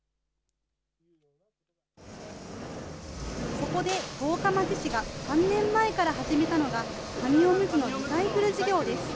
そこで十日町市が３年前から始めたのが、紙おむつのリサイクル事業です。